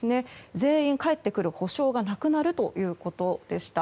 全員帰ってくる保証がなくなるということでした。